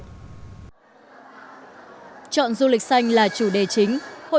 chọn du lịch xanh là chủ đề chính